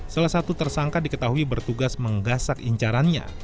salah satu tersangka diketahui bertugas menggasak incarannya